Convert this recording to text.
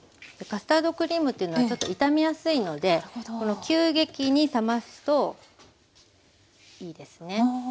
カスタードクリームというのはちょっと傷みやすいので急激に冷ますといいですね。